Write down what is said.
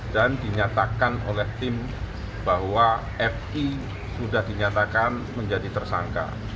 dan dinyatakan oleh tim bahwa fi sudah dinyatakan menjadi tersangka